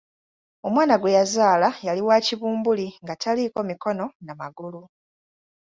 Omwana gwe yazaala yali wa kibumbuli nga taliiko mikono na magulu.